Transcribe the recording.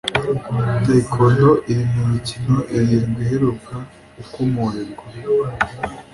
Tayikondo iri mu mikino irindwi iheruka gukomorerwa